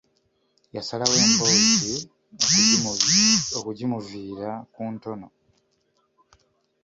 Yasalawo emboozi okugimuviira ku ntono.